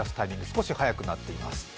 少し早くなっています。